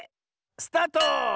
スタート！